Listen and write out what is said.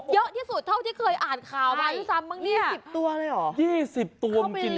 เยอะที่สุดเท่าที่เคยอ่านข่าวมารึซับบ้าง